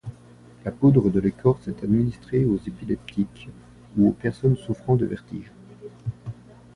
La poudre de l’écorce est administrée aux épileptiques ou aux personnes souffrant de vertiges.